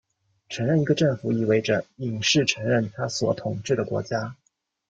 承认一个政府意味着隐式承认它所统治的国家。